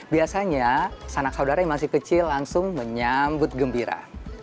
biasanya sanak saudara yang masih kecil langsung menyambut gembira